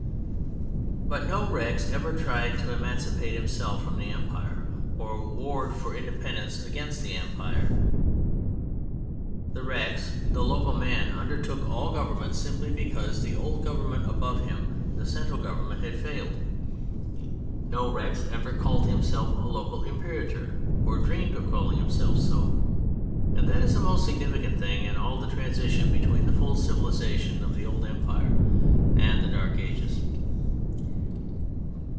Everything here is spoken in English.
But no Rex ever tried to emancipate himself from the Empire or warred for independence against the Emperor. The Rex, the local man, undertook all government simply because the old Government above him, the central Government, had failed. No Rex ever called himself a local Imperator or dreamed of calling himself so; and that is the most significant thing in all the transition between the full civilization of the old Empire and the Dark Ages.